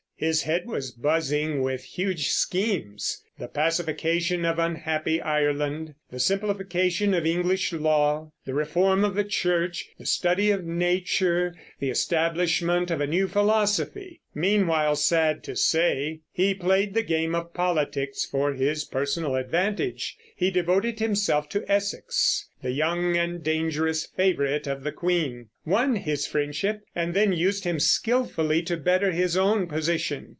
His head was buzzing with huge schemes, the pacification of unhappy Ireland, the simplification of English law, the reform of the church, the study of nature, the establishment of a new philosophy. Meanwhile, sad to say, he played the game of politics for his personal advantage. He devoted himself to Essex, the young and dangerous favorite of the queen, won his friendship, and then used him skillfully to better his own position.